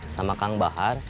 sama kang bahar